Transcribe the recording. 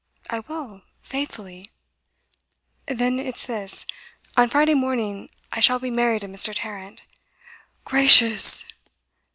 'I will, faithfully.' 'Then, it's this. On Friday morning I shall be married to Mr Tarrant.' 'Gracious!